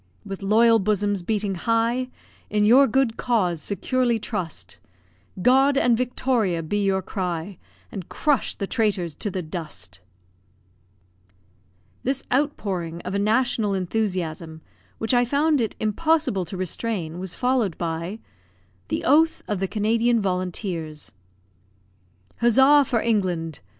With loyal bosoms beating high, In your good cause securely trust; "God and Victoria!" be your cry, And crush the traitors to the dust. The tri coloured flag assumed by the rebels. This outpouring of a national enthusiasm, which I found it impossible to restrain, was followed by THE OATH OF THE CANADIAN VOLUNTEERS Huzza for England!